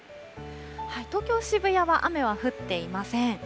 東京・渋谷は雨は降っていません。